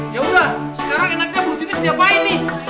ya udah sekarang enaknya bu junis diapain nih